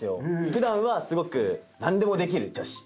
普段はすごく何でもできる女子。